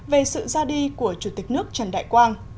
về sự ra đi của chủ tịch nước trần đại quang